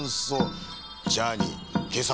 ジャーニーけさ